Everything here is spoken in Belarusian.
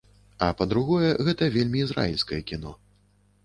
А, па-другое, гэта вельмі ізраільскае кіно.